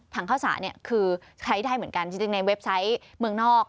ข้าวสารเนี่ยคือใช้ได้เหมือนกันจริงในเว็บไซต์เมืองนอก